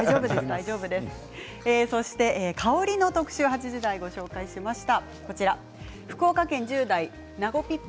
香りの特集８時台ご紹介しました。